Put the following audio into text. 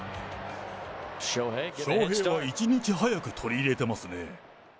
翔平は１日早く取り入れてますね。